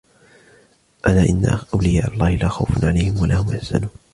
أَلَا إِنَّ أَوْلِيَاءَ اللَّهِ لَا خَوْفٌ عَلَيْهِمْ وَلَا هُمْ يَحْزَنُونَ